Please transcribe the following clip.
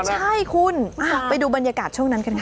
ใช่คุณไปดูบรรยากาศช่วงนั้นกันค่ะ